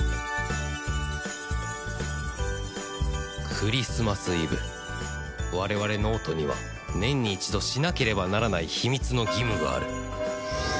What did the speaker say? クリスマスイブ我々脳人には年に一度しなければならない秘密の義務がある